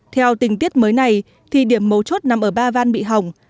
theo tình tiết mới này thì điểm mấu chốt nằm ở ba van bị hỏng